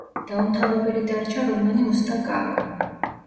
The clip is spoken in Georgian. დაუმთავრებელი დარჩა რომანი„უსტა კარო“.